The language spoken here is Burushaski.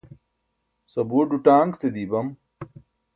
sabuur duṭaaṅce dii bam